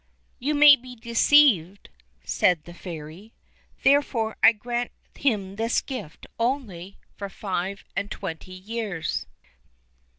"You may be deceived," said the Fairy; "therefore I grant him this gift only for five and twenty years."